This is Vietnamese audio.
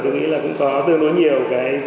tôi nghĩ là cũng có tương đối nhiều cái dấu hiệu